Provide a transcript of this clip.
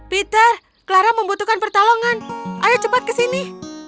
peter clara membutuhkan pertolongan ayo cepat ke sini